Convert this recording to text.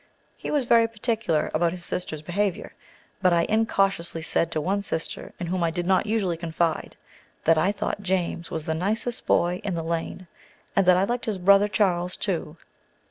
He was very particular about his sisters' behavior. But I incautiously said to one sister in whom I did not usually confide, that I thought James was the nicest boy in the lane, and that I liked his little brother Charles, too.